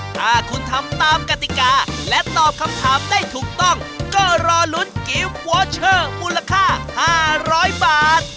ถ้าคุณทำตามกติกาและตอบคำถามได้ถูกต้องก็รอลุ้นกิฟต์วอเชอร์มูลค่า๕๐๐บาท